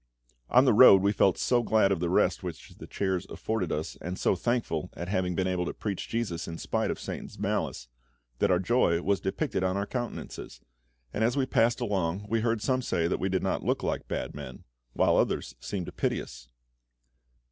On the road we felt so glad of the rest which the chairs afforded us, and so thankful at having been able to preach JESUS in spite of Satan's malice, that our joy was depicted on our countenances; and as we passed along we heard some say that we did not look like bad men, while others seemed to pity us.